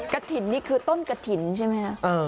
กระถิ่นนี่คือต้นกระถิ่นใช่ไหมคะ